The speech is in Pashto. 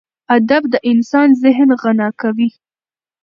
ادب د انسان ذهن غنا کوي.